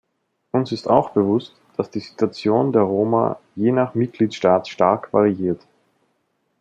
Uns ist auch bewusst, dass die Situation der Roma je nach Mitgliedstaat stark variiert.